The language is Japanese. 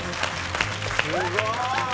すごーい！